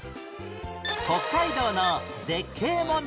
北海道の絶景問題